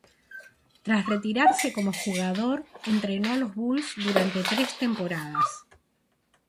Tras retirarse como jugador, entrenó a los Bulls durante tres temporadas.